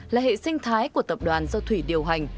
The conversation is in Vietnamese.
là hệ sinh thái của tập đoàn do thủy điều hành